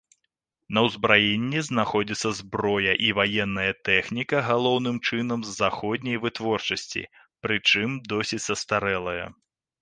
На ўзбраенні знаходзіцца зброя і ваенная тэхніка галоўным чынам заходняй вытворчасці, прычым досыць састарэлая.